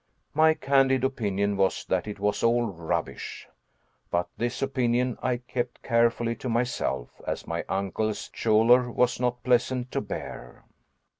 My candid opinion was that it was all rubbish! But this opinion I kept carefully to myself, as my uncle's choler was not pleasant to bear.